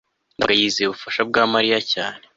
ndabaga yizeye ubufasha bwa mariya cyane